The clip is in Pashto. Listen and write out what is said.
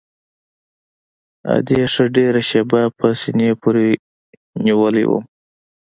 ادې ښه ډېره شېبه په سينې پورې لګولى وم.